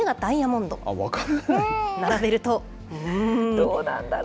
どうなんだろう。